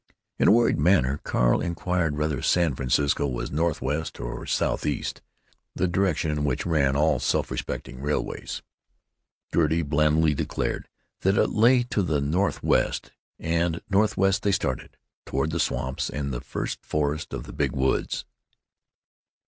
In a worried manner Carl inquired whether San Francisco was northwest or southeast—the directions in which ran all self respecting railroads. Gertie blandly declared that it lay to the northwest; and northwest they started—toward the swamps and the first forests of the Big Woods.